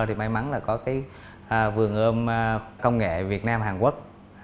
thì may mắn là có cái vườn ươm công nghệ việt nam hàn quốc